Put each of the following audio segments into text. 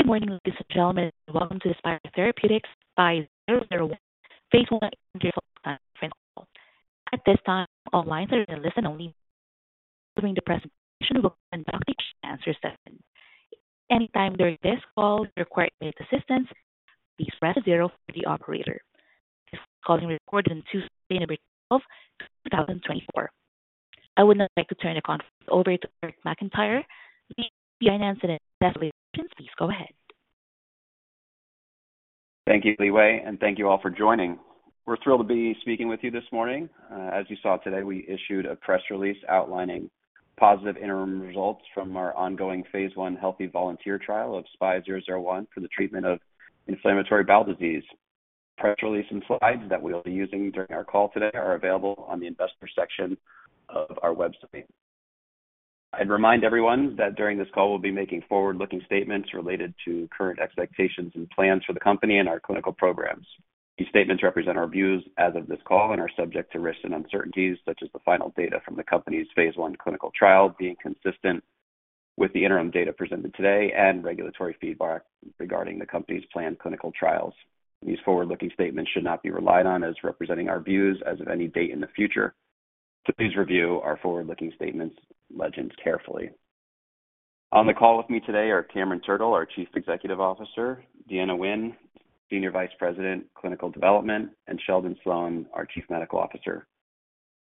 Good morning, ladies and gentlemen. Welcome to Spyre Therapeutics SPY001 phase I and year-end update call. At this time, all lines are in listen-only. During the presentation, we'll conduct the Q&A session. At any time during this call if you require assistance, please press zero for the operator. This call is being recorded on Tuesday, November 12, 2024. I would now like to turn the conference over to Eric McIntyre. Please go ahead. Thank you, Li Wei, and thank you all for joining. We're thrilled to be speaking with you this morning. As you saw today, we issued a press release outlining positive interim results from our ongoing phase I healthy volunteer trial of SPY001 for the treatment of inflammatory bowel disease. The press release and slides that we'll be using during our call today are available on the investor section of our website. I'd remind everyone that during this call, we'll be making forward-looking statements related to current expectations and plans for the company and our clinical programs. These statements represent our views as of this call and are subject to risks and uncertainties, such as the final data from the company's phase I clinical trial being consistent with the interim data presented today and regulatory feedback regarding the company's planned clinical trials. These forward-looking statements should not be relied on as representing our views as of any date in the future. Please review our forward-looking statements legends carefully. On the call with me today are Cameron Turtle, our Chief Executive Officer, Deanna Nguyen, Senior Vice President, Clinical Development, and Sheldon Sloan, our Chief Medical Officer.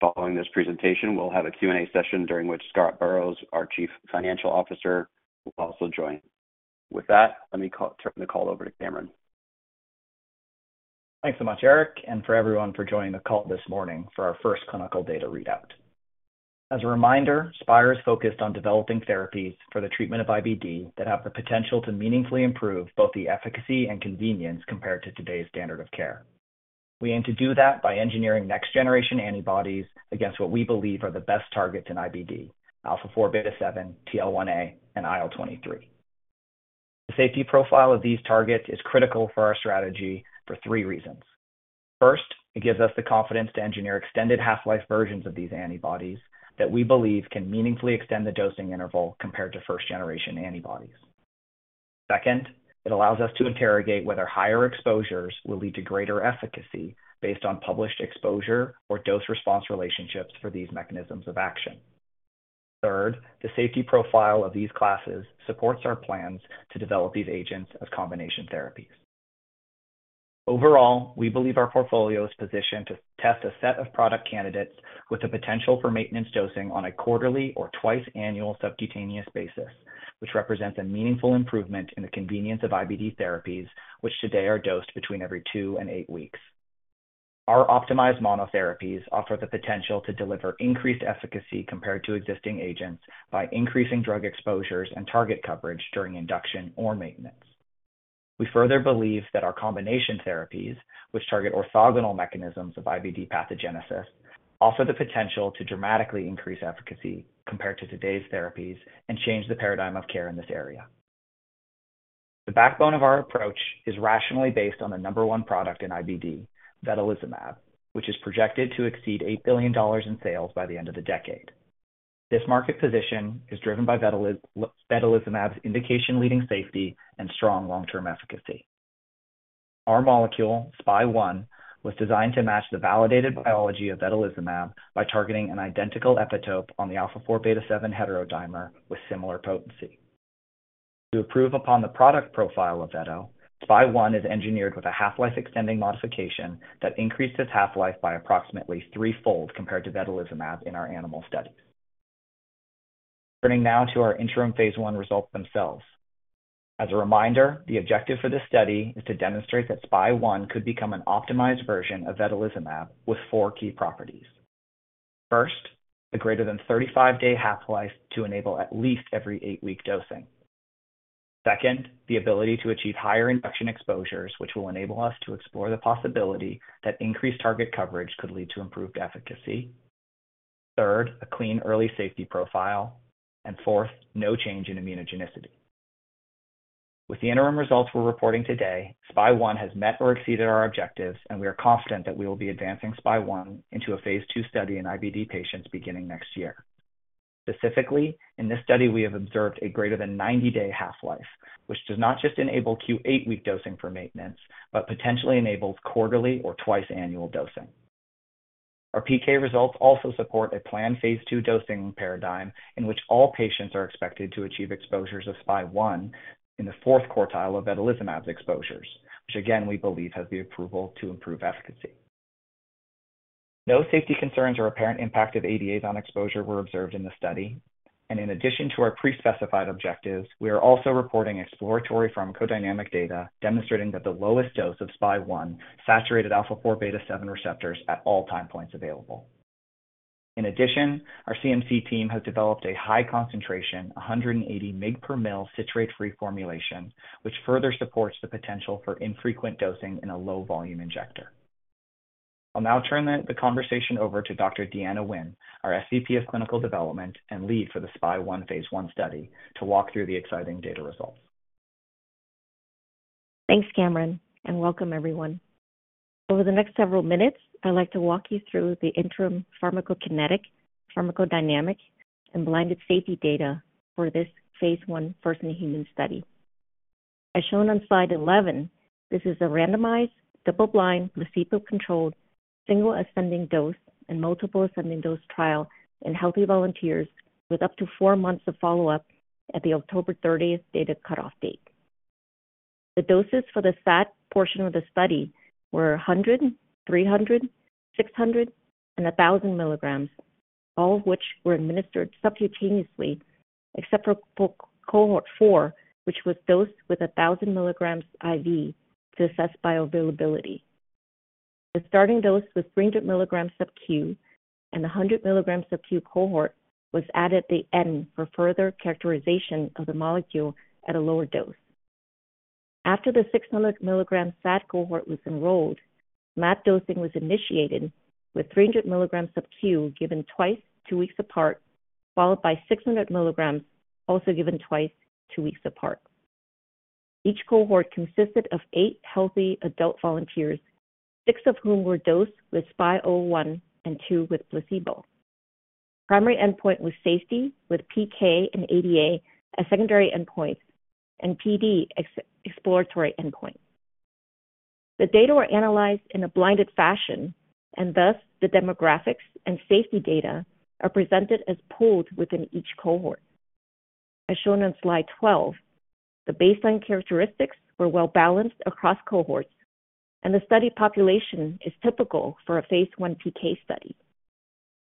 Following this presentation, we'll have a Q&A session during which Scott Burrows, our Chief Financial Officer, will also join. With that, let me turn the call over to Cameron. Thanks so much, Eric, and for everyone for joining the call this morning for our first clinical data readout. As a reminder, Spyre is focused on developing therapies for the treatment of IBD that have the potential to meaningfully improve both the efficacy and convenience compared to today's standard of care. We aim to do that by engineering next-generation antibodies against what we believe are the best targets in IBD: alpha-4 beta-7, TL1A, and IL-23. The safety profile of these targets is critical for our strategy for three reasons. First, it gives us the confidence to engineer extended half-life versions of these antibodies that we believe can meaningfully extend the dosing interval compared to first-generation antibodies. Second, it allows us to interrogate whether higher exposures will lead to greater efficacy based on published exposure or dose-response relationships for these mechanisms of action. Third, the safety profile of these classes supports our plans to develop these agents as combination therapies. Overall, we believe our portfolio is positioned to test a set of product candidates with the potential for maintenance dosing on a quarterly or twice-annual subcutaneous basis, which represents a meaningful improvement in the convenience of IBD therapies, which today are dosed between every two and eight weeks. Our optimized monotherapies offer the potential to deliver increased efficacy compared to existing agents by increasing drug exposures and target coverage during induction or maintenance. We further believe that our combination therapies, which target orthogonal mechanisms of IBD pathogenesis, offer the potential to dramatically increase efficacy compared to today's therapies and change the paradigm of care in this area. The backbone of our approach is rationally based on the number one product in IBD, vedolizumab, which is projected to exceed $8 billion in sales by the end of the decade. This market position is driven by vedolizumab's indication-leading safety and strong long-term efficacy. Our molecule, SPY001, was designed to match the validated biology of vedolizumab by targeting an identical epitope on the alpha-4 beta-7 heterodimer with similar potency. To improve upon the product profile of vedolizumab, SPY001 is engineered with a half-life extending modification that increased its half-life by approximately threefold compared to vedolizumab in our animal studies. Turning now to our interim phase I results themselves. As a reminder, the objective for this study is to demonstrate that SPY001 could become an optimized version of vedolizumab with four key properties. First, a greater than 35-day half-life to enable at least every eight-week dosing. Second, the ability to achieve higher induction exposures, which will enable us to explore the possibility that increased target coverage could lead to improved efficacy. Third, a clean early safety profile. And fourth, no change in immunogenicity. With the interim results we're reporting today, SPY001 has met or exceeded our objectives, and we are confident that we will be advancing SPY001 into a phase II study in IBD patients beginning next year. Specifically, in this study, we have observed a greater than 90-day half-life, which does not just enable Q8-week dosing for maintenance, but potentially enables quarterly or twice-annual dosing. Our PK results also support a planned phase II dosing paradigm in which all patients are expected to achieve exposures of SPY001 in the fourth quartile of vedolizumab's exposures, which again, we believe has the potential to improve efficacy. No safety concerns or apparent impact of ADAs on exposure were observed in the study. And in addition to our pre-specified objectives, we are also reporting exploratory pharmacodynamic data demonstrating that the lowest dose of SPY001 saturated alpha-4 beta-7 receptors at all time points available. In addition, our CMC team has developed a high-concentration, 180 mg/mL citrate-free formulation, which further supports the potential for infrequent dosing in a low-volume injector. I'll now turn the conversation over to Dr. Deanna Nguyen, our SVP of Clinical Development and lead for the SPY001 phase I study, to walk through the exciting data results. Thanks, Cameron, and welcome, everyone. Over the next several minutes, I'd like to walk you through the interim pharmacokinetic, pharmacodynamic, and blinded safety data for this phase I first-in-human study. As shown on slide 11, this is a randomized, double-blind, placebo-controlled, single ascending dose and multiple ascending dose trial in healthy volunteers with up to four months of follow-up at the October 30th data cutoff date. The doses for the SAD portion of the study were 100, 300, 600, and 1,000 mg, all of which were administered subcutaneously, except for cohort 4, which was dosed with 1,000 mg IV to assess bioavailability. The starting dose was 300 mg subcutaneous, and the 100 mg subcutaneous cohort was added at the end for further characterization of the molecule at a lower dose. After the 600 mg SAD cohort was enrolled, MAD dosing was initiated with 300 mg subcutaneous given twice two weeks apart, followed by 600 mg also given twice two weeks apart. Each cohort consisted of eight healthy adult volunteers, six of whom were dosed with SPY001 and two with placebo. Primary endpoint was safety with PK and ADA as secondary endpoints and PD exploratory endpoint. The data were analyzed in a blinded fashion, and thus the demographics and safety data are presented as pooled within each cohort. As shown on slide 12, the baseline characteristics were well-balanced across cohorts, and the study population is typical for a phase I PK study.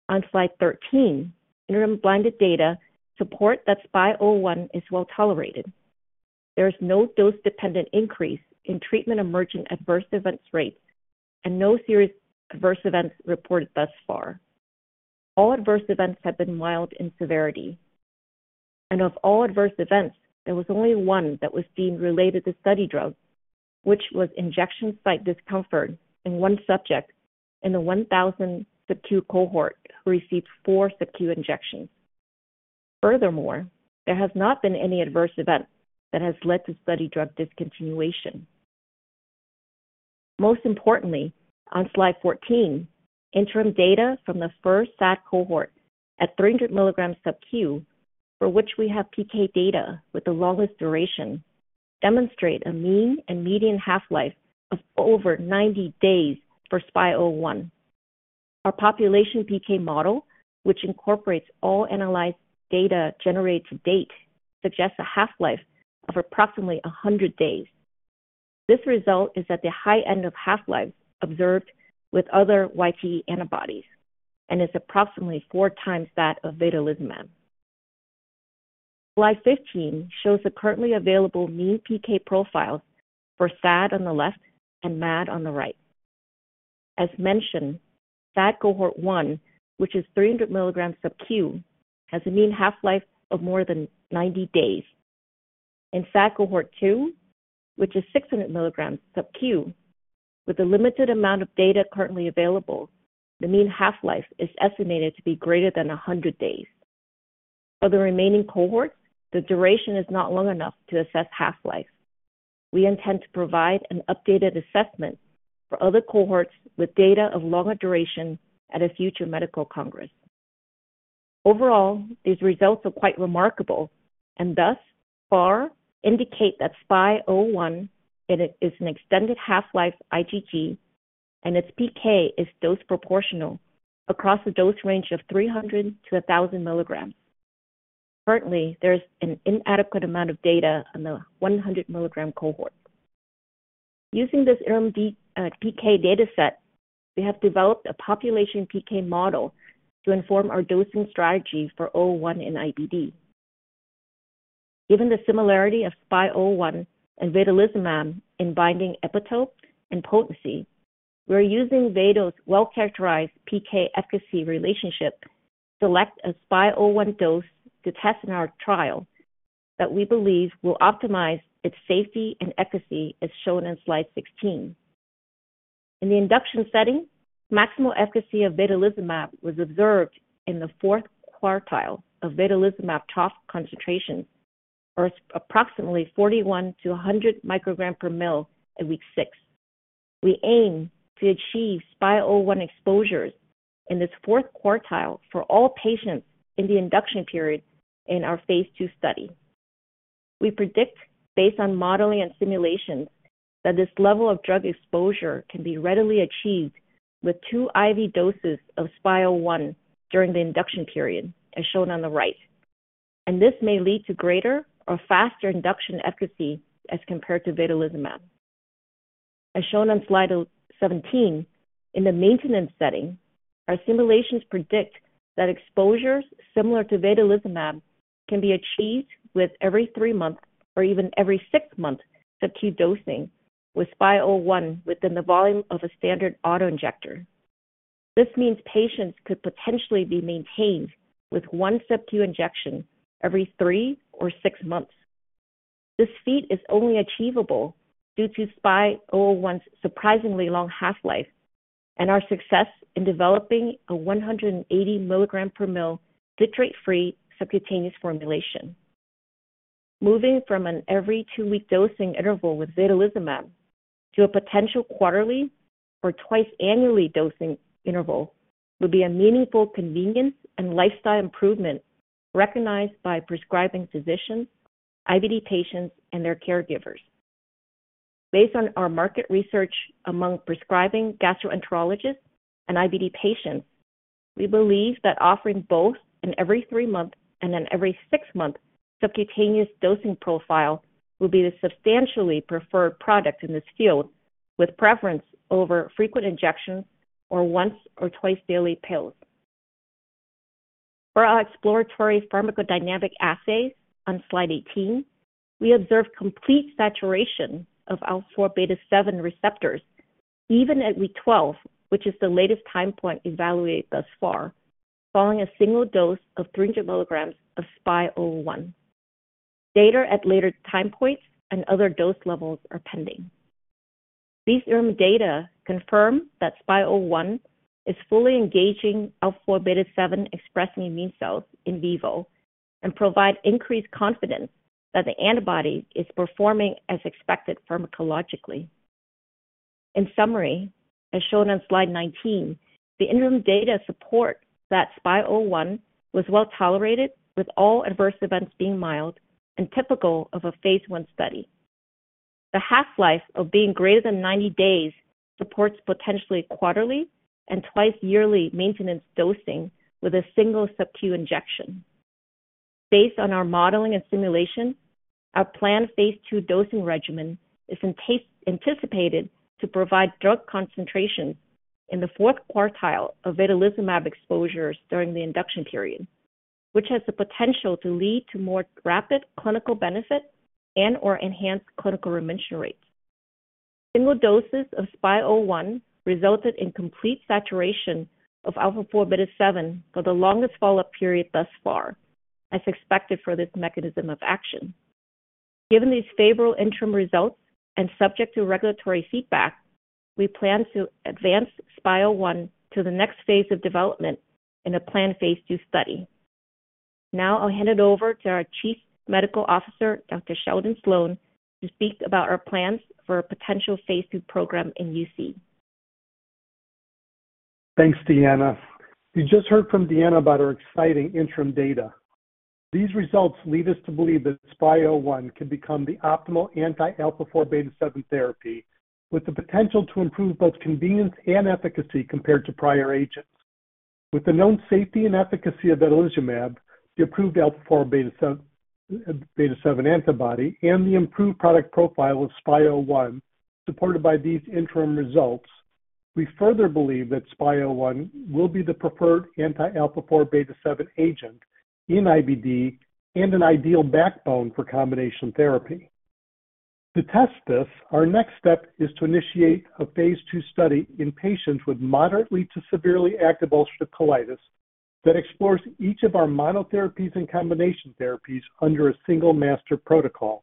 On slide 13, interim blinded data support that SPY001 is well-tolerated. There is no dose-dependent increase in treatment-emergent adverse events rates and no serious adverse events reported thus far. All adverse events have been mild in severity. Of all adverse events, there was only one that was deemed related to study drug, which was injection site discomfort in one subject in the 1,000 mg subcutaneous cohort who received four subcutaneous injections. Furthermore, there has not been any adverse event that has led to study drug discontinuation. Most importantly, on slide 14, interim data from the first SAD cohort at 300 mg subcutaneous, for which we have PK data with the longest duration, demonstrate a mean and median half-life of over 90 days for SPY001. Our population PK model, which incorporates all analyzed data generated to date, suggests a half-life of approximately 100 days. This result is at the high end of half-life observed with other YTE antibodies and is approximately four times that of vedolizumab. Slide 15 shows the currently available mean PK profiles for SAD on the left and MAD on the right. As mentioned, SAD cohort 1, which is 300 mg subcutaneous, has a mean half-life of more than 90 days. In SAD cohort 2, which is 600 mg subcutaneous, with the limited amount of data currently available, the mean half-life is estimated to be greater than 100 days. For the remaining cohorts, the duration is not long enough to assess half-life. We intend to provide an updated assessment for other cohorts with data of longer duration at a future medical congress. Overall, these results are quite remarkable and thus far indicate that SPY001 is an extended half-life IgG, and its PK is dose-proportional across a dose range of 300-1,000 mg. Currently, there is an inadequate amount of data on the 100 mg cohort. Using this interim PK dataset, we have developed a population PK model to inform our dosing strategy for 01 in IBD. Given the similarity of SPY001 and vedolizumab in binding epitope and potency, we're using Vedo's well-characterized PK-efficacy relationship to select a SPY001 dose to test in our trial that we believe will optimize its safety and efficacy, as shown on slide 16. In the induction setting, maximal efficacy of vedolizumab was observed in the fourth quartile of vedolizumab top concentrations or approximately 41-100 mcg/mL at week six. We aim to achieve SPY001 exposures in this fourth quartile for all patients in the induction period in our phase II study. We predict, based on modeling and simulations, that this level of drug exposure can be readily achieved with two IV doses of SPY001 during the induction period, as shown on the right, and this may lead to greater or faster induction efficacy as compared to vedolizumab. As shown on slide 17, in the maintenance setting, our simulations predict that exposures similar to vedolizumab can be achieved with every three-month or even every six-month subcutaneous dosing with SPY001 within the volume of a standard autoinjector. This means patients could potentially be maintained with one subcutaneous injection every three or six months. This feat is only achievable due to SPY001's surprisingly long half-life and our success in developing a 180 mg/mL citrate-free subcutaneous formulation. Moving from an every two-week dosing interval with vedolizumab to a potential quarterly or twice-annually dosing interval would be a meaningful convenience and lifestyle improvement recognized by prescribing physicians, IBD patients, and their caregivers. Based on our market research among prescribing gastroenterologists and IBD patients, we believe that offering both an every three-month and an every six-month subcutaneous dosing profile will be the substantially preferred product in this field, with preference over frequent injections or once or twice-daily pills. For our exploratory pharmacodynamic assay on slide 18, we observed complete saturation of alpha-4 beta-7 receptors even at week 12, which is the latest time point evaluated thus far, following a single dose of 300 mg of SPY001. Data at later time points and other dose levels are pending. These interim data confirm that SPY001 is fully engaging alpha-4 beta-7 expressing immune cells in vivo and provide increased confidence that the antibody is performing as expected pharmacologically. In summary, as shown on slide 19, the interim data support that SPY001 was well-tolerated, with all adverse events being mild and typical of a phase I study. The half-life of being greater than 90 days supports potentially quarterly and twice-yearly maintenance dosing with a single subcutaneous injection. Based on our modeling and simulation, our planned phase II dosing regimen is anticipated to provide drug concentrations in the fourth quartile of vedolizumab exposures during the induction period, which has the potential to lead to more rapid clinical benefit and/or enhanced clinical remission rates. Single doses of SPY001 resulted in complete saturation of alpha-4 beta-7 for the longest follow-up period thus far, as expected for this mechanism of action. Given these favorable interim results and subject to regulatory feedback, we plan to advance SPY001 to the next phase of development in a planned phase II study. Now I'll hand it over to our Chief Medical Officer, Dr. Sheldon Sloan, to speak about our plans for a potential phase II program in UC. Thanks, Deanna. You just heard from Deanna about our exciting interim data. These results lead us to believe that SPY001 could become the optimal anti-alpha-4 beta-7 therapy, with the potential to improve both convenience and efficacy compared to prior agents. With the known safety and efficacy of vedolizumab, the approved alpha-4 beta-7 antibody, and the improved product profile of SPY001 supported by these interim results, we further believe that SPY001 will be the preferred anti-alpha-4 beta-7 agent in IBD and an ideal backbone for combination therapy. To test this, our next step is to initiate a phase II study in patients with moderately to severely active ulcerative colitis that explores each of our monotherapies and combination therapies under a single master protocol.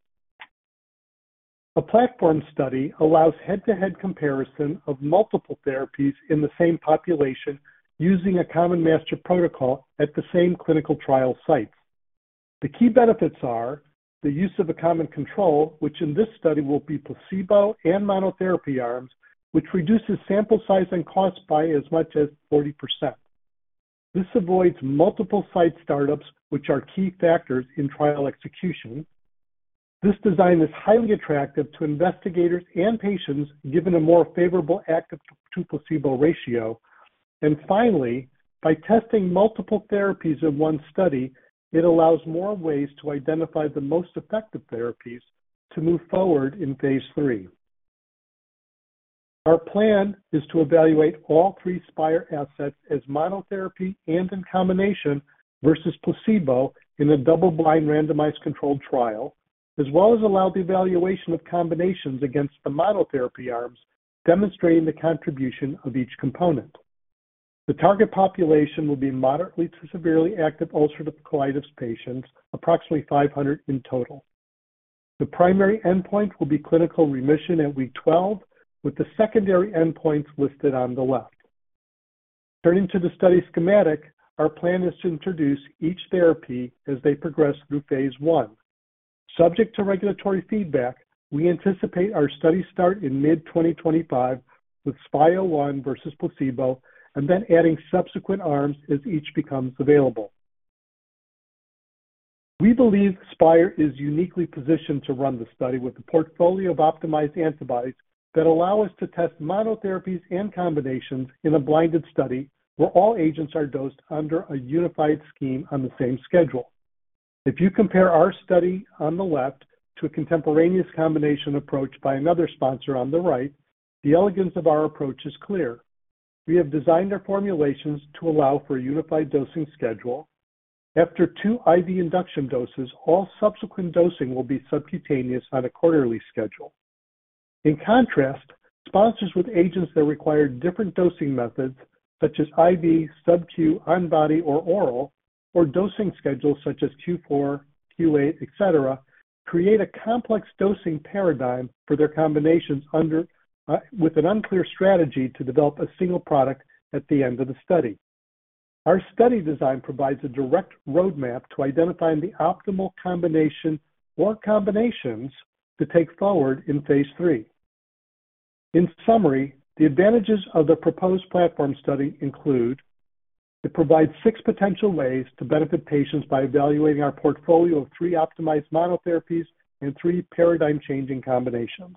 A platform study allows head-to-head comparison of multiple therapies in the same population using a common master protocol at the same clinical trial sites. The key benefits are the use of a common control, which in this study will be placebo and monotherapy arms, which reduces sample size and cost by as much as 40%. This avoids multiple site startups, which are key factors in trial execution. This design is highly attractive to investigators and patients given a more favorable active-to-placebo ratio. And finally, by testing multiple therapies in one study, it allows more ways to identify the most effective therapies to move forward in phase III. Our plan is to evaluate all three Spyre assets as monotherapy and in combination versus placebo in a double-blind randomized controlled trial, as well as allow the evaluation of combinations against the monotherapy arms, demonstrating the contribution of each component. The target population will be moderately to severely active ulcerative colitis patients, approximately 500 in total. The primary endpoint will be clinical remission at week 12, with the secondary endpoints listed on the left. Turning to the study schematic, our plan is to introduce each therapy as they progress through phase I. Subject to regulatory feedback, we anticipate our study start in mid-2025 with SPY001 versus placebo and then adding subsequent arms as each becomes available. We believe Spyre is uniquely positioned to run the study with a portfolio of optimized antibodies that allow us to test monotherapies and combinations in a blinded study where all agents are dosed under a unified scheme on the same schedule. If you compare our study on the left to a contemporaneous combination approach by another sponsor on the right, the elegance of our approach is clear. We have designed our formulations to allow for a unified dosing schedule. After two IV induction doses, all subsequent dosing will be subcutaneous on a quarterly schedule. In contrast, sponsors with agents that require different dosing methods, such as IV, subcutaneous, on-body, or oral, or dosing schedules such as Q4, Q8, etc., create a complex dosing paradigm for their combinations with an unclear strategy to develop a single product at the end of the study. Our study design provides a direct roadmap to identifying the optimal combination or combinations to take forward in phase III. In summary, the advantages of the proposed platform study include it provides six potential ways to benefit patients by evaluating our portfolio of three optimized monotherapies and three paradigm-changing combinations.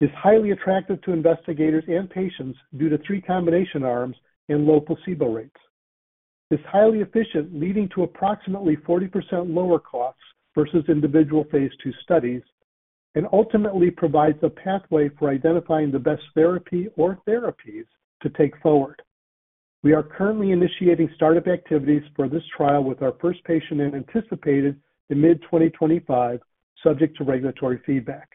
It's highly attractive to investigators and patients due to three combination arms and low placebo rates. It's highly efficient, leading to approximately 40% lower costs versus individual phase II studies, and ultimately provides a pathway for identifying the best therapy or therapies to take forward. We are currently initiating startup activities for this trial, with our first patient anticipated in mid-2025, subject to regulatory feedback.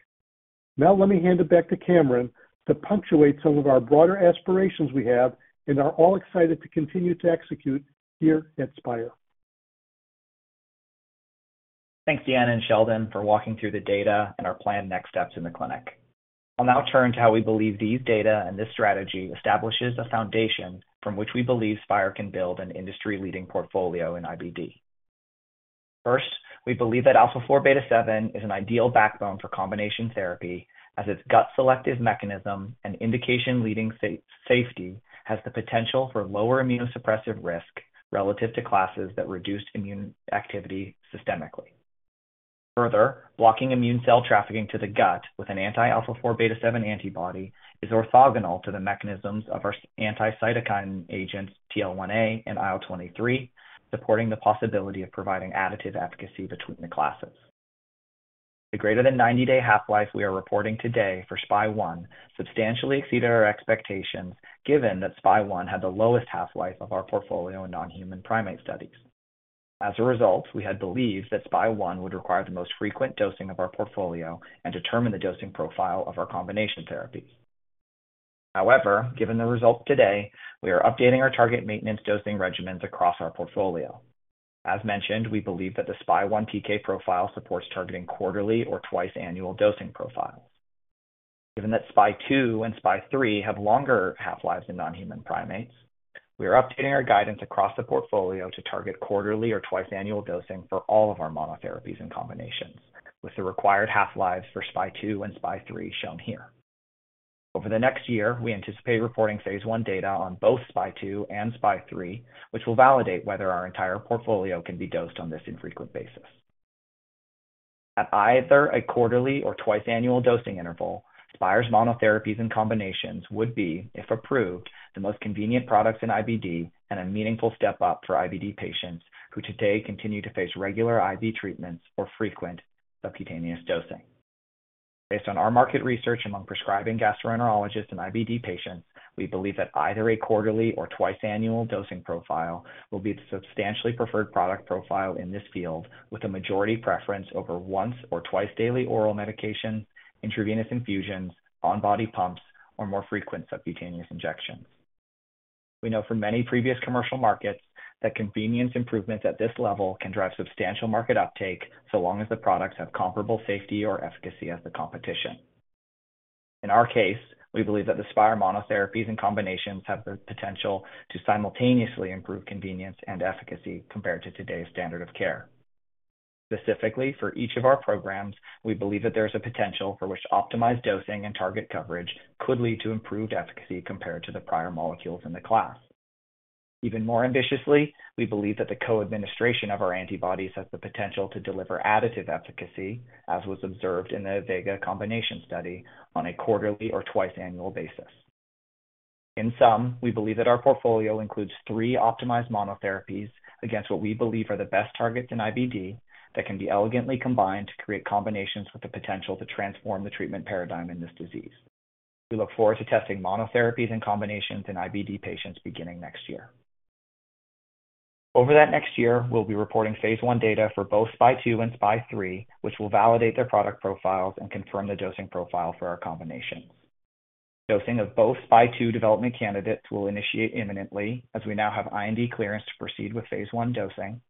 Now let me hand it back to Cameron to punctuate some of our broader aspirations we have and are all excited to continue to execute here at Spyre. Thanks, Deanna and Sheldon, for walking through the data and our planned next steps in the clinic. I'll now turn to how we believe these data and this strategy establishes a foundation from which we believe Spyre can build an industry-leading portfolio in IBD. First, we believe that alpha-4 beta-7 is an ideal backbone for combination therapy as its gut-selective mechanism and indication-leading safety has the potential for lower immunosuppressive risk relative to classes that reduce immune activity systemically. Further, blocking immune cell trafficking to the gut with an anti-alpha-4 beta-7 antibody is orthogonal to the mechanisms of our anti-cytokine agents, TL1A and IL-23, supporting the possibility of providing additive efficacy between the classes. The greater than 90-day half-life we are reporting today for SPY001 substantially exceeded our expectations, given that SPY001 had the lowest half-life of our portfolio in non-human primate studies. As a result, we had believed that SPY001 would require the most frequent dosing of our portfolio and determine the dosing profile of our combination therapies. However, given the results today, we are updating our target maintenance dosing regimens across our portfolio. As mentioned, we believe that the SPY001 PK profile supports targeting quarterly or twice-annual dosing profiles. Given that SPY002 and SPY003 have longer half-lives in non-human primates, we are updating our guidance across the portfolio to target quarterly or twice-annual dosing for all of our monotherapies and combinations, with the required half-lives for SPY002 and SPY003 shown here. Over the next year, we anticipate reporting phase I data on both SPY002 and SPY003, which will validate whether our entire portfolio can be dosed on this infrequent basis. At either a quarterly or twice-annual dosing interval, Spyre's monotherapies and combinations would be, if approved, the most convenient products in IBD and a meaningful step up for IBD patients who today continue to face regular IV treatments or frequent subcutaneous dosing. Based on our market research among prescribing gastroenterologists and IBD patients, we believe that either a quarterly or twice-annual dosing profile will be the substantially preferred product profile in this field, with a majority preference over once or twice-daily oral medication, intravenous infusions, on-body pumps, or more frequent subcutaneous injections. We know from many previous commercial markets that convenience improvements at this level can drive substantial market uptake so long as the products have comparable safety or efficacy as the competition. In our case, we believe that the Spyre monotherapies and combinations have the potential to simultaneously improve convenience and efficacy compared to today's standard of care. Specifically, for each of our programs, we believe that there is a potential for which optimized dosing and target coverage could lead to improved efficacy compared to the prior molecules in the class. Even more ambitiously, we believe that the co-administration of our antibodies has the potential to deliver additive efficacy, as was observed in the VEGA combination study, on a quarterly or twice-annual basis. In sum, we believe that our portfolio includes three optimized monotherapies against what we believe are the best targets in IBD that can be elegantly combined to create combinations with the potential to transform the treatment paradigm in this disease. We look forward to testing monotherapies and combinations in IBD patients beginning next year. Over that next year, we'll be reporting phase I data for both SPY002 and SPY003, which will validate their product profiles and confirm the dosing profile for our combinations. Dosing of both SPY002 development candidates will initiate imminently, as we now have IND clearance to proceed with phase I dosing,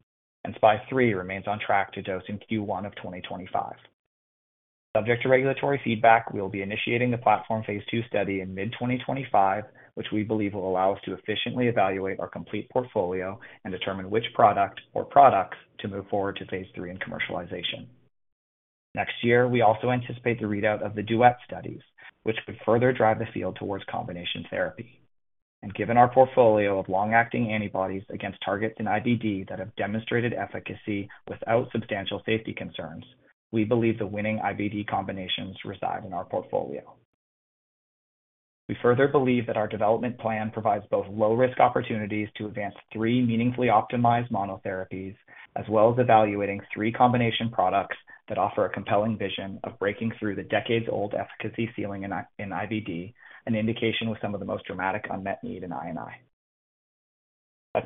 and SPY003 remains on track to dose in Q1 of 2025. Subject to regulatory feedback, we will be initiating the platform phase II study in mid-2025, which we believe will allow us to efficiently evaluate our complete portfolio and determine which product or products to move forward to phase III and commercialization. Next year, we also anticipate the readout of the DUET studies, which could further drive the field towards combination therapy. And given our portfolio of long-acting antibodies against targets in IBD that have demonstrated efficacy without substantial safety concerns, we believe the winning IBD combinations reside in our portfolio. We further believe that our development plan provides both low-risk opportunities to advance three meaningfully optimized monotherapies, as well as evaluating three combination products that offer a compelling vision of breaking through the decades-old efficacy ceiling in IBD, an indication with some of the most dramatic unmet need in medicine.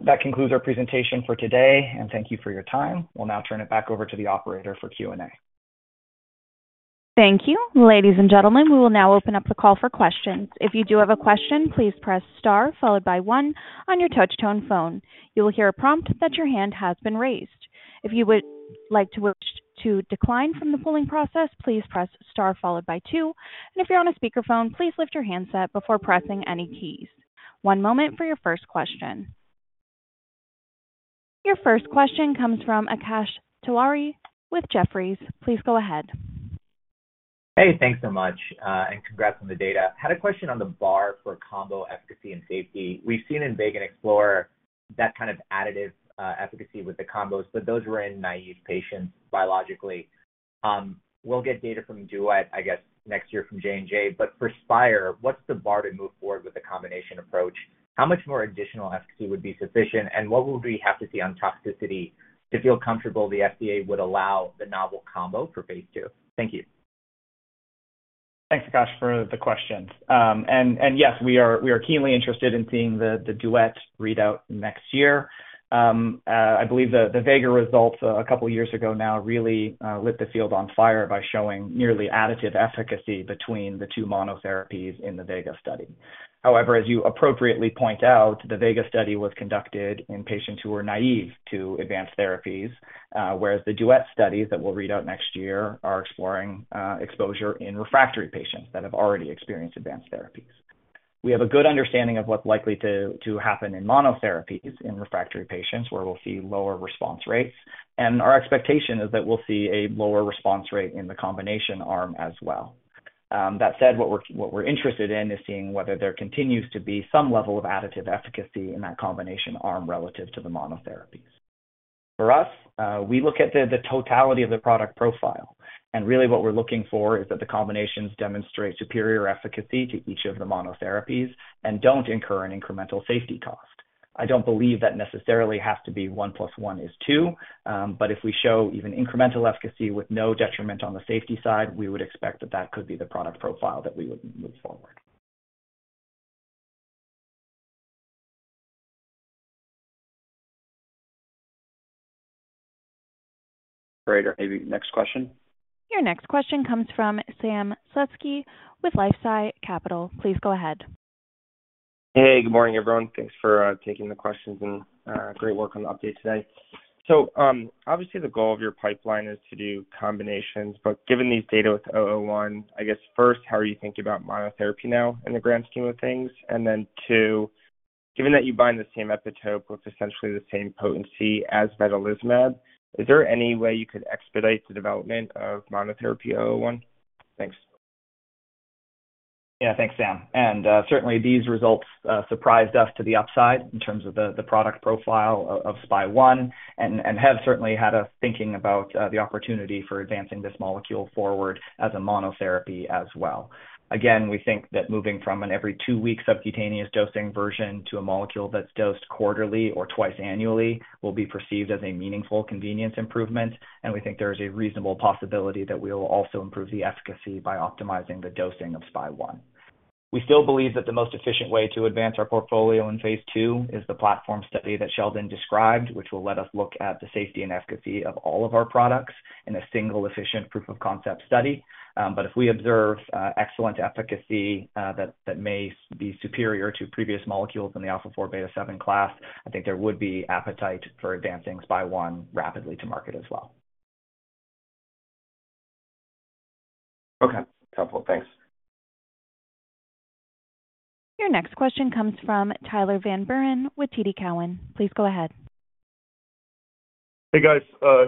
That concludes our presentation for today, and thank you for your time. We'll now turn it back over to the operator for Q&A. Thank you. Ladies and gentlemen, we will now open up the call for questions. If you do have a question, please press star followed by one on your touch-tone phone. You will hear a prompt that your hand has been raised. If you would like to decline from the polling process, please press star followed by two. And if you're on a speakerphone, please lift your handset before pressing any keys. One moment for your first question. Your first question comes from Akash Tewari with Jefferies. Please go ahead. Hey, thanks so much, and congrats on the data. I had a question on the bar for combo efficacy and safety. We've seen in VEGA and X-PLORE that kind of additive efficacy with the combos, but those were in naive patients biologically. We'll get data from DUET, I guess, next year from J&J. But for Spyre, what's the bar to move forward with the combination approach? How much more additional efficacy would be sufficient, and what would we have to see on toxicity to feel comfortable the FDA would allow the novel combo for phase II? Thank you. Thanks, Akash, for the questions. And yes, we are keenly interested in seeing the DUET readout next year. I believe the VEGA results a couple of years ago now really lit the field on fire by showing nearly additive efficacy between the two monotherapies in the VEGA study. However, as you appropriately point out, the VEGA study was conducted in patients who were naive to advanced therapies, whereas the DUET studies that we'll read out next year are exploring exposure in refractory patients that have already experienced advanced therapies. We have a good understanding of what's likely to happen in monotherapies in refractory patients where we'll see lower response rates. And our expectation is that we'll see a lower response rate in the combination arm as well. That said, what we're interested in is seeing whether there continues to be some level of additive efficacy in that combination arm relative to the monotherapies. For us, we look at the totality of the product profile. And really, what we're looking for is that the combinations demonstrate superior efficacy to each of the monotherapies and don't incur an incremental safety cost. I don't believe that necessarily has to be one plus one is two. But if we show even incremental efficacy with no detriment on the safety side, we would expect that that could be the product profile that we would move forward. Great. Or maybe next question? Your next question comes from Sam Slutsky with LifeSci Capital. Please go ahead. Hey, good morning, everyone. Thanks for taking the questions and great work on the update today, so obviously, the goal of your pipeline is to do combinations. But given these data with SPY001, I guess first, how are you thinking about monotherapy now in the grand scheme of things? And then two, given that you bind the same epitope with essentially the same potency as vedolizumab, is there any way you could expedite the development of monotherapy SPY001? Thanks. Yeah, thanks, Sam. And certainly, these results surprised us to the upside in terms of the product profile of SPY001 and have certainly had us thinking about the opportunity for advancing this molecule forward as a monotherapy as well. Again, we think that moving from an every two-week subcutaneous dosing version to a molecule that's dosed quarterly or twice annually will be perceived as a meaningful convenience improvement. And we think there is a reasonable possibility that we will also improve the efficacy by optimizing the dosing of SPY001. We still believe that the most efficient way to advance our portfolio in phase II is the platform study that Sheldon described, which will let us look at the safety and efficacy of all of our products in a single efficient proof-of-concept study. But if we observe excellent efficacy that may be superior to previous molecules in the alpha-4 beta-7 class, I think there would be appetite for advancing SPY001 rapidly to market as well. Okay. That's helpful. Thanks. Your next question comes from Tyler Van Buren with TD Cowen. Please go ahead. Hey, guys.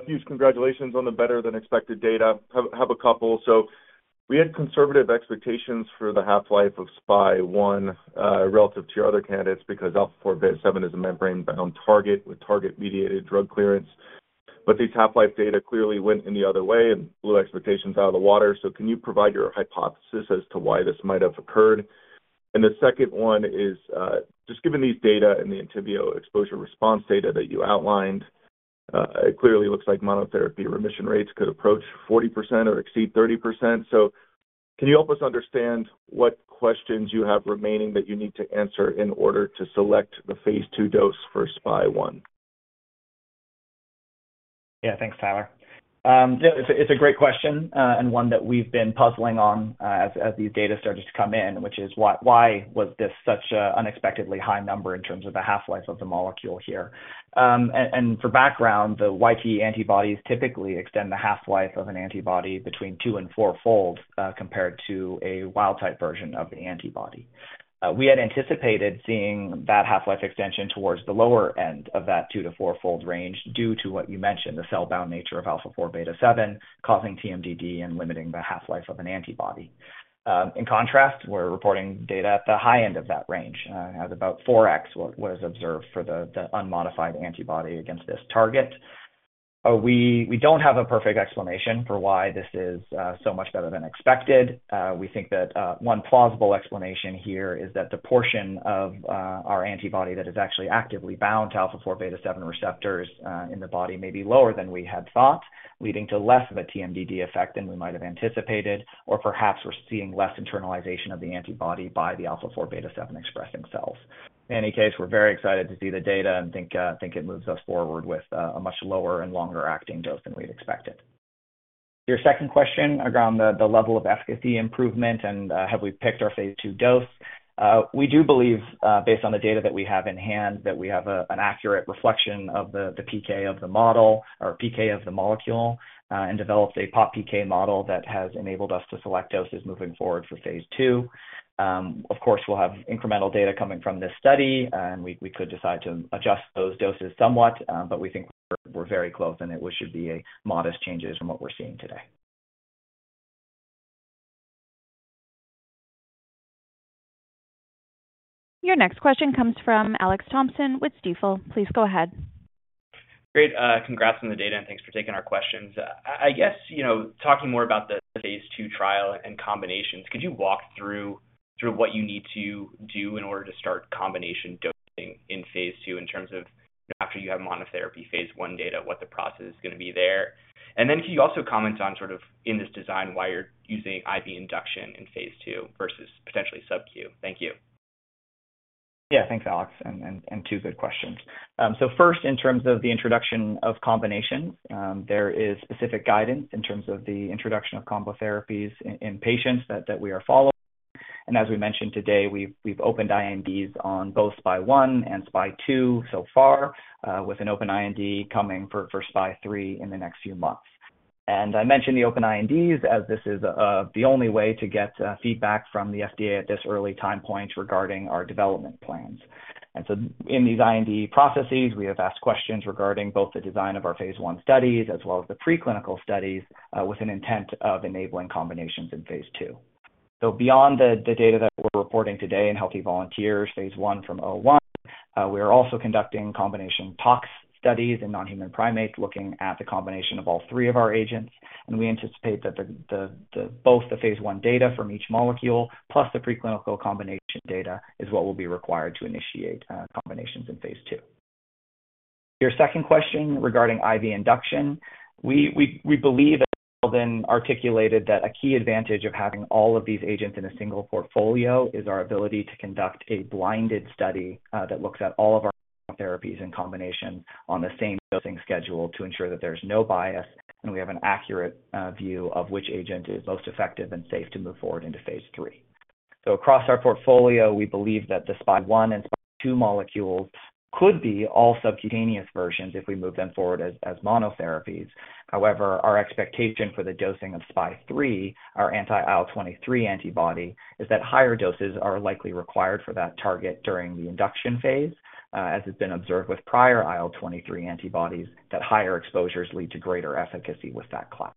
Huge congratulations on the better-than-expected data. I have a couple. So we had conservative expectations for the half-life of SPY001 relative to your other candidates because alpha-4 beta-7 is a membrane-bound target with target-mediated drug clearance. But these half-life data clearly went in the other way and blew expectations out of the water. So can you provide your hypothesis as to why this might have occurred? And the second one is just given these data and the Entyvio exposure response data that you outlined, it clearly looks like monotherapy remission rates could approach 40% or exceed 30%. So can you help us understand what questions you have remaining that you need to answer in order to select the phase II dose for SPY001? Yeah, thanks, Tyler. Yeah, it's a great question and one that we've been puzzling on as these data started to come in, which is why was this such an unexpectedly high number in terms of the half-life of the molecule here? And for background, the YT antibodies typically extend the half-life of an antibody between two and four-fold compared to a wild-type version of the antibody. We had anticipated seeing that half-life extension towards the lower end of that two to four-fold range due to what you mentioned, the cell-bound nature alpha-4 beta-7 causing TMDD and limiting the half-life of an antibody. In contrast, we're reporting data at the high end of that range, at about 4x what was observed for the unmodified antibody against this target. We don't have a perfect explanation for why this is so much better than expected. We think that one plausible explanation here is that the portion of our antibody that is actually actively bound to alpha-4 beta-7 receptors in the body may be lower than we had thought, leading to less of a TMDD effect than we might have anticipated, or perhaps we're seeing less internalization of the antibody by the alpha-4 beta-7 expressing cells. In any case, we're very excited to see the data and think it moves us forward with a much lower and longer-acting dose than we'd expected. Your second question around the level of efficacy improvement and have we picked our phase II dose? We do believe, based on the data that we have in hand, that we have an accurate reflection of the PK of the model or PK of the molecule and developed a pop PK model that has enabled us to select doses moving forward for phase II. Of course, we'll have incremental data coming from this study, and we could decide to adjust those doses somewhat, but we think we're very close and it should be modest changes from what we're seeing today. Your next question comes from Alex Thompson with Stifel. Please go ahead. Great. Congrats on the data, and thanks for taking our questions. I guess talking more about the phase II trial and combinations, could you walk through what you need to do in order to start combination dosing in phase II in terms of after you have monotherapy phase I data, what the process is going to be there? And then can you also comment on sort of in this design why you're using IV induction in phase II versus potentially subcutaneous? Thank you. Yeah, thanks, Alex. And two good questions. So first, in terms of the introduction of combinations, there is specific guidance in terms of the introduction of combo therapies in patients that we are following. And as we mentioned today, we've opened INDs on both SPY001 and SPY002 so far, with an open IND coming for SPY003 in the next few months. And I mentioned the open INDs as this is the only way to get feedback from the FDA at this early time point regarding our development plans. And so in these IND processes, we have asked questions regarding both the design of our phase I studies as well as the preclinical studies with an intent of enabling combinations in phase II. So beyond the data that we're reporting today in healthy volunteers phase I from SPY001, we are also conducting combination tox studies in non-human primates looking at the combination of all three of our agents. And we anticipate that both the phase I data from each molecule plus the preclinical combination data is what will be required to initiate combinations in phase II. Your second question regarding IV induction, we believe that Sheldon articulated that a key advantage of having all of these agents in a single portfolio is our ability to conduct a blinded study that looks at all of our therapies in combination on the same dosing schedule to ensure that there's no bias and we have an accurate view of which agent is most effective and safe to move forward into phase III. So across our portfolio, we believe that the SPY001 and SPY002 molecules could be all subcutaneous versions if we move them forward as monotherapies. However, our expectation for the dosing of SPY003, our anti-IL-23 antibody, is that higher doses are likely required for that target during the induction phase, as has been observed with prior IL-23 antibodies that higher exposures lead to greater efficacy with that class.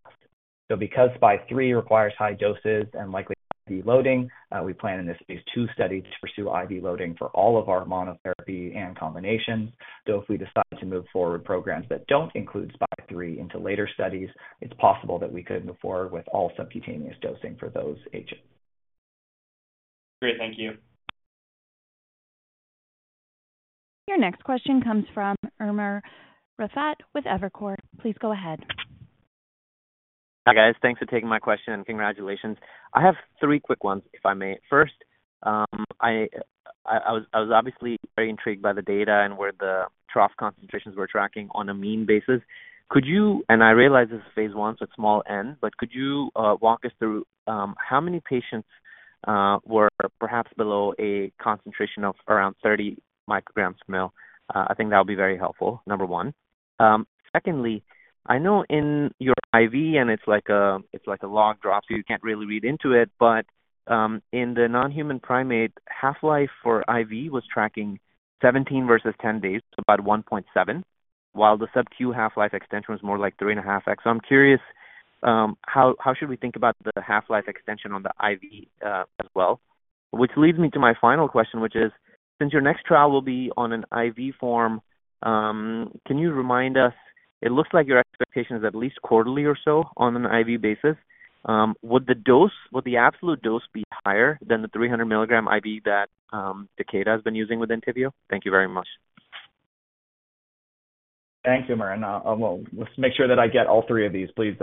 So because SPY003 requires high doses and likely IV loading, we plan in this phase II study to pursue IV loading for all of our monotherapy and combinations. So if we decide to move forward programs that don't include SPY003 into later studies, it's possible that we could move forward with all subcutaneous dosing for those agents. Great. Thank you. Your next question comes from Umer Raffat with Evercore. Please go ahead. Hi, guys. Thanks for taking my question. Congratulations. I have three quick ones, if I may. First, I was obviously very intrigued by the data and where the trough concentrations were tracking on a mean basis. And I realize this is phase I, so it's small N, but could you walk us through how many patients were perhaps below a concentration of around 30 mcg/mL? I think that would be very helpful, number one. Secondly, I know in your IV, and it's like a log drop, so you can't really read into it, but in the non-human primate, half-life for IV was tracking 17 versus 10 days, about 1.7, while the subcutaneous half-life extension was more like 3.5x. So I'm curious, how should we think about the half-life extension on the IV as well? Which leads me to my final question, which is, since your next trial will be on an IV form, can you remind us? It looks like your expectation is at least quarterly or so on an IV basis. Would the absolute dose be higher than the 300 mg IV that Takeda has been using with Entyvio? Thank you very much. Thank you, Umer. Let's make sure that I get all three of these. Please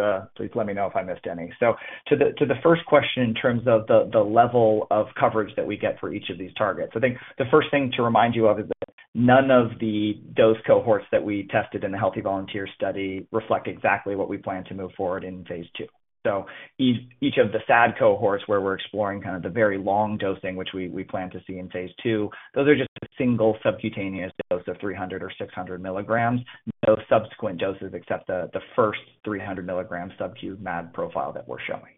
let me know if I missed any. So to the first question in terms of the level of coverage that we get for each of these targets, I think the first thing to remind you of is that none of the dose cohorts that we tested in the healthy volunteer study reflect exactly what we plan to move forward in phase II. So each of the SAD cohorts where we're exploring kind of the very long dosing, which we plan to see in phase II, those are just a single subcutaneous dose of 300 or 600 mg, no subsequent doses except the first 300 mg subcutaneous MAD profile that we're showing.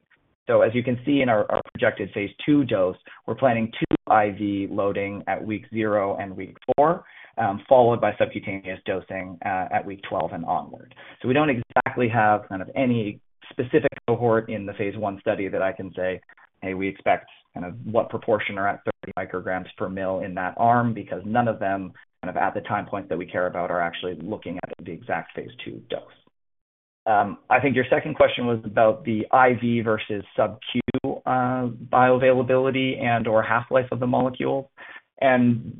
So as you can see in our projected phase II dose, we're planning two IV loading at week zero and week four, followed by subcutaneous dosing at week 12 and onward. So we don't exactly have kind of any specific cohort in the phase I study that I can say, "Hey, we expect kind of what proportion are at 30 mcg/mL in that arm," because none of them kind of at the time point that we care about are actually looking at the exact phase II dose. I think your second question was about the IV versus subcutaneous bioavailability and/or half-life of the molecule. And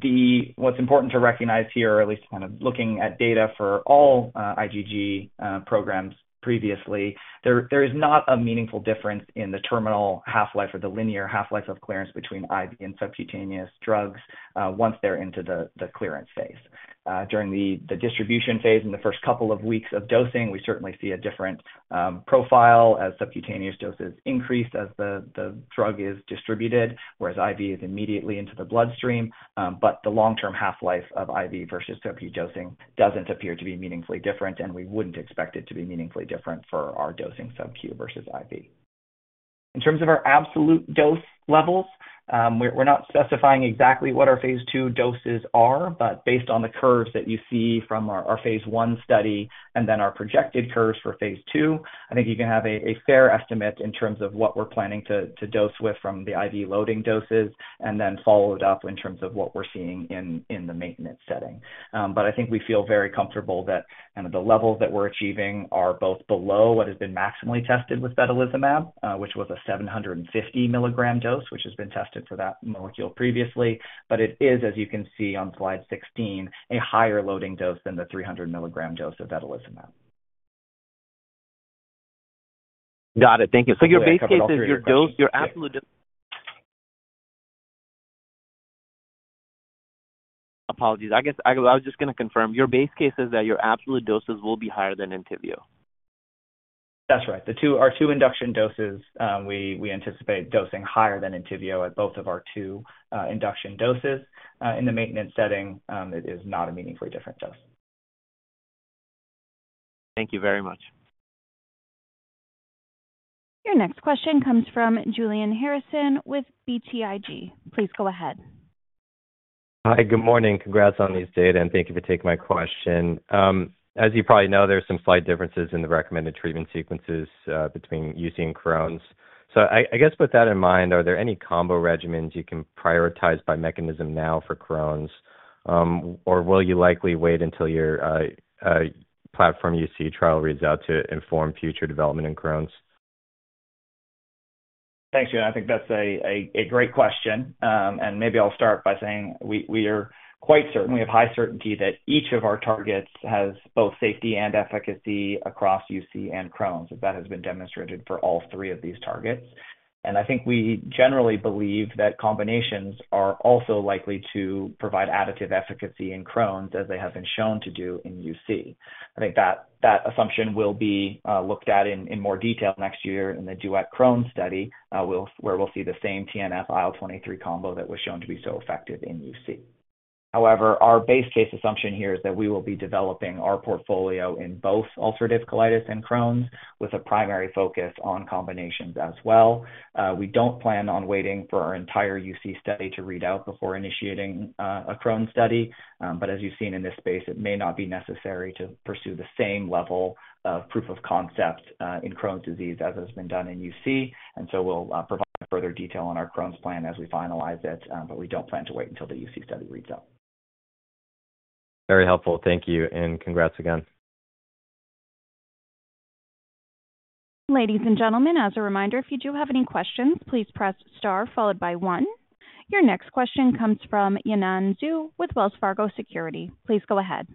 what's important to recognize here, at least kind of looking at data for all IgG programs previously, there is not a meaningful difference in the terminal half-life or the linear half-life of clearance between IV and subcutaneous drugs once they're into the clearance phase. During the distribution phase in the first couple of weeks of dosing, we certainly see a different profile as subcutaneous doses increase as the drug is distributed, whereas IV is immediately into the bloodstream. But the long-term half-life of IV versus subcu dosing doesn't appear to be meaningfully different, and we wouldn't expect it to be meaningfully different for our dosing subcutaneous versus IV. In terms of our absolute dose levels, we're not specifying exactly what our phase II doses are, but based on the curves that you see from our phase I study and then our projected curves for phase II, I think you can have a fair estimate in terms of what we're planning to dose with from the IV loading doses and then followed up in terms of what we're seeing in the maintenance setting. But I think we feel very comfortable that kind of the levels that we're achieving are both below what has been maximally tested with vedolizumab, which was a 750 mg dose, which has been tested for that molecule previously. But it is, as you can see on slide 16, a higher loading dose than the 300 mg dose of vedolizumab. Got it. Thank you. So your base case is your absolute dose? Apologies. I was just going to confirm. Your base case is that your absolute doses will be higher than Entyvio? That's right. Our two induction doses, we anticipate dosing higher than Entyvio at both of our two induction doses. In the maintenance setting, it is not a meaningfully different dose. Thank you very much. Your next question comes from Julian Harrison with BTIG. Please go ahead. Hi, good morning. Congrats on these data, and thank you for taking my question. As you probably know, there are some slight differences in the recommended treatment sequences between UC and Crohn's. So I guess with that in mind, are there any combo regimens you can prioritize by mechanism now for Crohn's? Or will you likely wait until your platform UC trial reads out to inform future development in Crohn's? Thanks, Julian. I think that's a great question. And maybe I'll start by saying we are quite certain. We have high certainty that each of our targets has both safety and efficacy across UC and Crohn's, as that has been demonstrated for all three of these targets. And I think we generally believe that combinations are also likely to provide additive efficacy in Crohn's, as they have been shown to do in UC. I think that assumption will be looked at in more detail next year in the DUET Crohn's study, where we'll see the same TNF-IL-23 combo that was shown to be so effective in UC. However, our base case assumption here is that we will be developing our portfolio in both ulcerative colitis and Crohn's, with a primary focus on combinations as well. We don't plan on waiting for our entire UC study to read out before initiating a Crohn's study. But as you've seen in this space, it may not be necessary to pursue the same level of proof of concept in Crohn's disease as has been done in UC. And so we'll provide further detail on our Crohn's plan as we finalize it, but we don't plan to wait until the UC study reads out. Very helpful. Thank you, and congrats again. Ladies and gentlemen, as a reminder, if you do have any questions, please press star followed by one. Your next question comes from Yanan Zhu with Wells Fargo Securities. Please go ahead.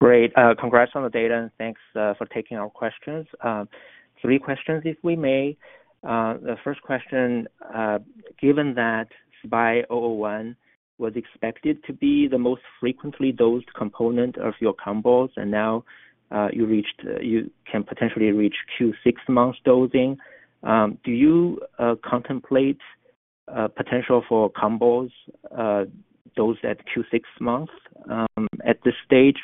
Great. Congrats on the data, and thanks for taking our questions. Three questions, if we may. The first question, given that SPY001 was expected to be the most frequently dosed component of your combos, and now you can potentially reach Q6 months dosing, do you contemplate potential for combos dosed at Q6 months at this stage?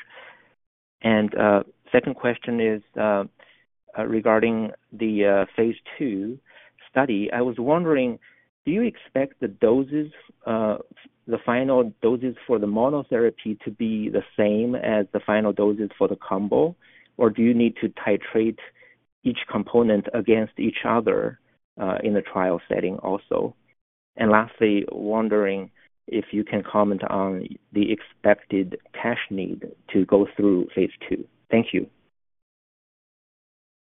And second question is regarding the phase II study. I was wondering, do you expect the final doses for the monotherapy to be the same as the final doses for the combo, or do you need to titrate each component against each other in the trial setting also? And lastly, wondering if you can comment on the expected cash need to go through phase II. Thank you.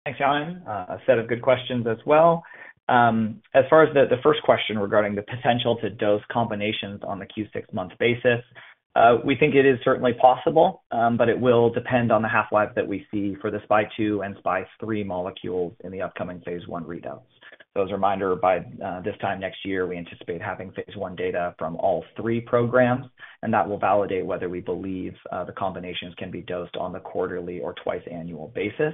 Thanks, Yanan. A set of good questions as well. As far as the first question regarding the potential to dose combinations on the Q6 month basis, we think it is certainly possible, but it will depend on the half-life that we see for the SPY002 and SPY003 molecules in the upcoming phase I readouts. So as a reminder, by this time next year, we anticipate having phase I data from all three programs, and that will validate whether we believe the combinations can be dosed on the quarterly or twice-annual basis,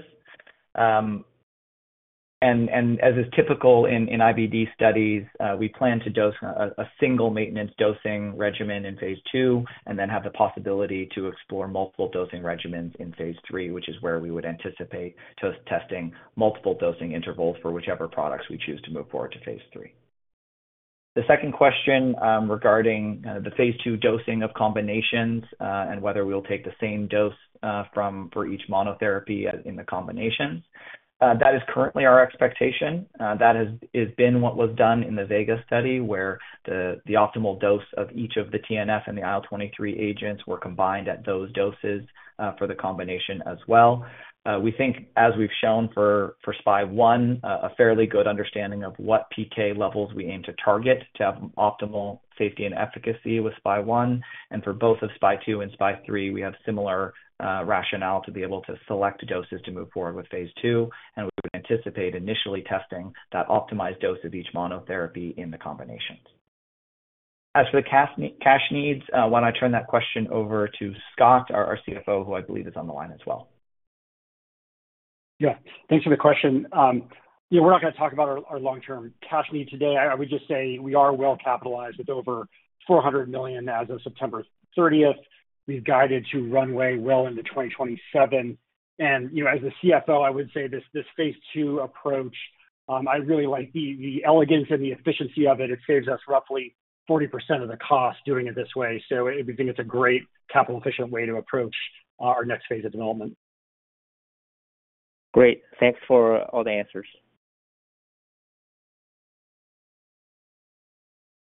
and as is typical in IBD studies, we plan to dose a single maintenance dosing regimen in phase II and then have the possibility to explore multiple dosing regimens in phase III, which is where we would anticipate testing multiple dosing intervals for whichever products we choose to move forward to phase III. The second question regarding the phase II dosing of combinations and whether we'll take the same dose for each monotherapy in the combinations, that is currently our expectation. That has been what was done in the VEGA study, where the optimal dose of each of the TNF and the IL-23 agents were combined at those doses for the combination as well. We think, as we've shown for SPY001, a fairly good understanding of what PK levels we aim to target to have optimal safety and efficacy with SPY001. And for both of SPY002 and SPY003, we have similar rationale to be able to select doses to move forward with phase II, and we would anticipate initially testing that optimized dose of each monotherapy in the combinations. As for the cash needs, why don't I turn that question over to Scott, our CFO, who I believe is on the line as well? Yeah. Thanks for the question. We're not going to talk about our long-term cash need today. I would just say we are well capitalized with over $400 million as of September 30th. We've guided to runway well into 2027. And as the CFO, I would say this phase II approach, I really like the elegance and the efficiency of it. It saves us roughly 40% of the cost doing it this way. So we think it's a great capital-efficient way to approach our next phase of development. Great. Thanks for all the answers.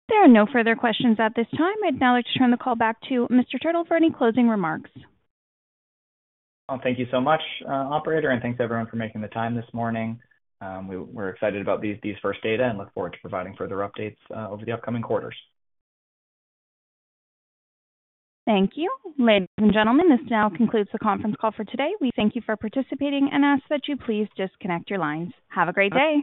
There are no further questions at this time. I'd now like to turn the call back to Mr. Turtle for any closing remarks. Thank you so much, Operator, and thanks everyone for making the time this morning. We're excited about these first data and look forward to providing further updates over the upcoming quarters. Thank you. Ladies and gentlemen, this now concludes the conference call for today. We thank you for participating and ask that you please disconnect your lines. Have a great day.